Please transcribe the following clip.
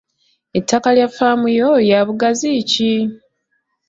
Ettaka lya faamu yo ya bugazi ki?